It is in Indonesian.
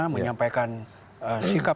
menyampaikan sikap pemerintahan indonesia terhadap